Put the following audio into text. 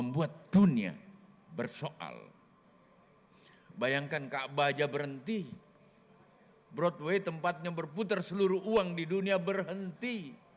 bayangkan kaabah aja berhenti broadway tempatnya berputar seluruh uang di dunia berhenti